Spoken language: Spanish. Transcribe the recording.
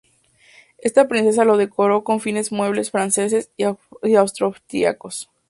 Esta princesa lo decoró con finos muebles franceses y austriacos.